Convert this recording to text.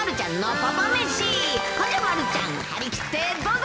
ほんじゃ、丸ちゃん、張り切ってどうぞ。